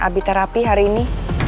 abi terapi hari ini